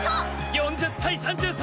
４０対３３！